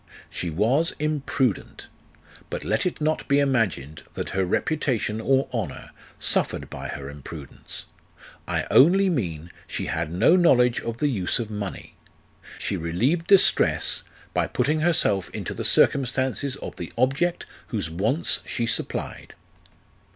She was imprudent. But let it not be imagined that her reputation or honour suffered by her imprudence : I only mean, she had no knowledge of the use of money ; she relieved distress by putting herself into the circumstances of the object whose wants she supplied.